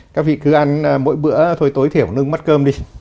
các vị cứ ăn mỗi bữa thôi tối thiểu nướng bát cơm đi